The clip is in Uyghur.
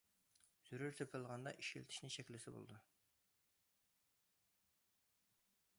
زۆرۈر تېپىلغاندا، ئىشلىتىشنى چەكلىسە بولىدۇ.